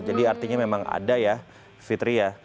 jadi artinya memang ada ya fitri ya